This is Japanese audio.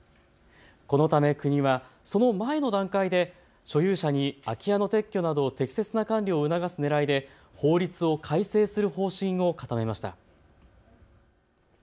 このため国はその前の段階で所有者に空き家の撤去など適切な管理を促すねらいで法律を改正する方針を固めました。